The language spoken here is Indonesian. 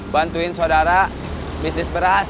bantuin sodara bisnis beras